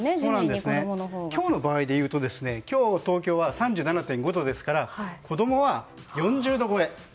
今日の場合でいうと今日の東京は３７．５度ですから子供は４０度超え。